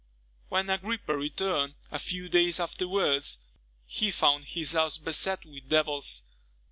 When Agrippa returned, a few days afterwards, he found his house beset with devils.